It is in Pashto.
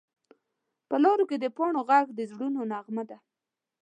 په لارو کې د پاڼو غږ د زړونو نغمه ده